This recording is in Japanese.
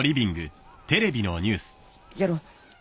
やろう。